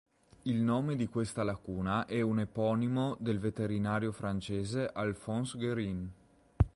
Il nome di questa lacuna è un eponimo del veterinario francese Alphonse Guérin.